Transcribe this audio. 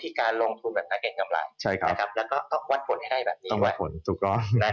ต้องการวัดผลถูกครับ